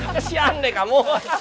kesian deh kamu